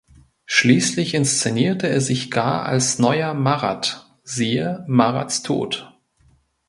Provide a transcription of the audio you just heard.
Schließlich inszenierte er sich gar als neuer Marat (siehe Marats Tod).